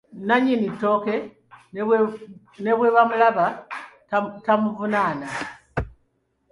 Nnannyini ttooke ne bwamulaba tamuvunaana.